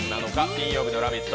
金曜日の「ラヴィット！」